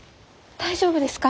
大丈夫ですか？